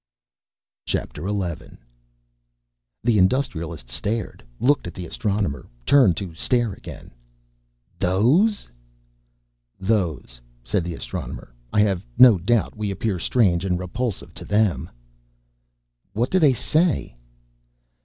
XI The Industrialist stared, looked at the Astronomer, turned to stare again. "Those?" "Those," said the Astronomer. "I have no doubt we appear strange and repulsive to them." "What do they say?"